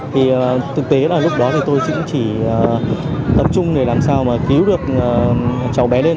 thì thực tế là lúc đó thì tôi cũng chỉ tập trung để làm sao mà cứu được cháu bé lên